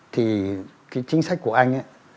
thì chính sách của anh